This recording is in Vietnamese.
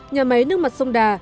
nhà máy nước mặt sông đà